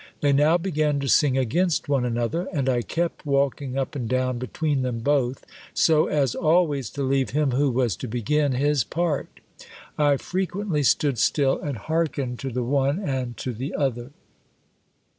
They now began to sing against one another; and I kept walking up and down between them both, so as always to leave him who was to begin his part. I frequently stood still, and hearkened to the one and to the other.